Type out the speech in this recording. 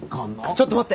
ちょっと待って！